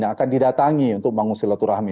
yang akan didatangi untuk mengungsi latur rahmi